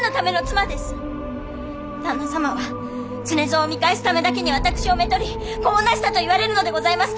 旦那様は常蔵を見返すためだけに私を娶り子をなしたと言われるのでございますか？